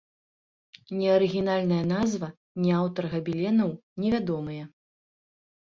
Ні арыгінальная назва, ні аўтар габеленаў невядомыя.